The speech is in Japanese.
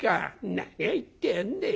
「何を言ってやがんでえ。